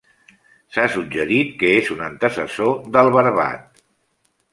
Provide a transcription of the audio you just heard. S'ha suggerit que és un antecessor del barbat.